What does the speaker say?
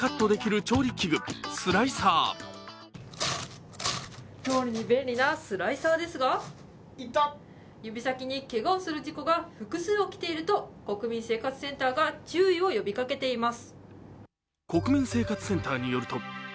調理に便利なスライサーですが、指先にけがをする事故が複数起きていると、国民生活センターが注意を呼びかけています。